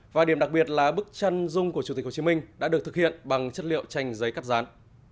và điểm đặc biệt là bức chân rung của chủ tịch hồ chí minh đã được thực hiện bằng chất liệu trành giấy cắt rán